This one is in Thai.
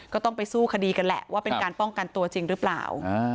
ก็ต้องไปสู้คดีกันแหละว่าเป็นการป้องกันตัวจริงหรือเปล่า